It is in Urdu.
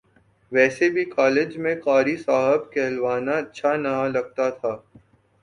ویسے بھی کالج میں قاری صاحب کہلوانا اچھا نہ لگتا تھا